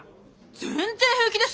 全然平気です。